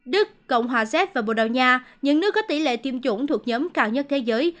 đức cộng hòa z và bồ đào nha những nước có tỷ lệ tiêm chủng thuộc nhóm cao nhất thế giới